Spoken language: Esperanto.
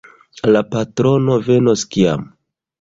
La patrono venos kiam?